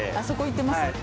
そこ行ってます？